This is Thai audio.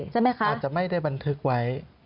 อาจจะไม่ได้บันทึกไว้